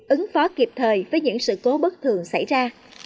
ứng phó kịp thời với những sự cố bất thường xảy ra